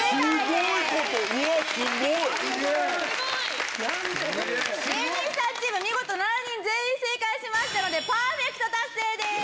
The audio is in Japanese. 芸人さんチーム見事７人全員正解しましたのでパーフェクト達成です！